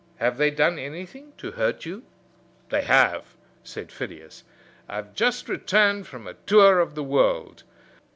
"Have they done anything to hurt you?" "They have," said Phidias. "I have just returned from a tour of the world.